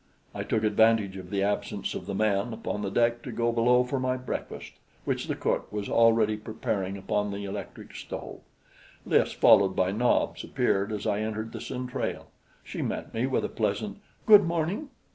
I took advantage of the absence of the men upon the deck to go below for my breakfast, which the cook was already preparing upon the electric stove. Lys, followed by Nobs, appeared as I entered the centrale. She met me with a pleasant "Good morning!"